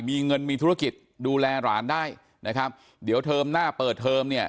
มีเงินมีธุรกิจดูแลหลานได้นะครับเดี๋ยวเทอมหน้าเปิดเทอมเนี่ย